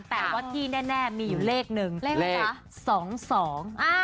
แต่ว่าที่แน่มีอยู่เลขหนึ่ง